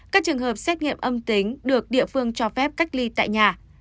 các trường hợp xét nghiệm âm tính được địa phương cho phép cách ly tại nhà